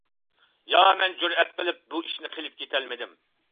يا مەن جۈرئەت قىلىپ بۇ ئىشنى قىلىپ كېتەلمىدىم.